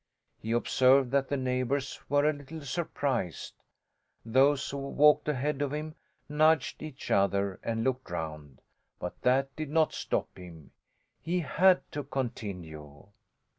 He observed that the neighbours were a little surprised. Those who walked ahead of him nudged each other and looked round; but that did not stop him; he had to continue.